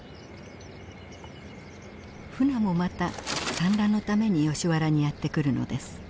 フナもまた産卵のためにヨシ原にやって来るのです。